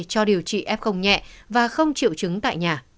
cho điều trị f nhẹ và không triệu chứng tại nhà